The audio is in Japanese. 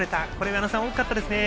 矢野さん、大きかったですね。